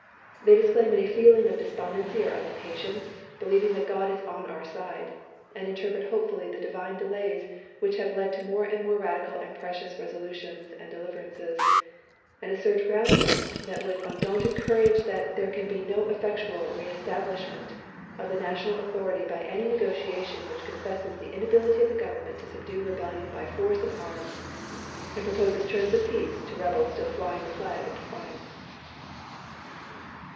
They disclaim any feeling of despondency or of impatience, "believing that God is on our side," and interpret hopefully the divine delays which have " led to more and more radical and precious resolutions and deliverances," and assert roundly and with undaunted courage that " there can be no effectual reestablishment of the 318 ABRAHAM LINCOLN Chap. XV. national authority by any negotiation which, con fesses the inability of the Government to subdue rebellion by force of arms and proposes terms of peace to rebels still flying the flag of defiance."